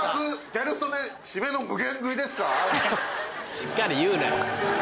しっかり言うなよ。